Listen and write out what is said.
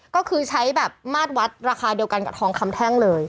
ก็คือใช้แบบมาตรวัดราคาเดียวกันกับทองคำแท่งเลย